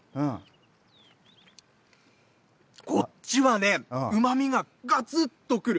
こっちはね、うまみががつんとくる。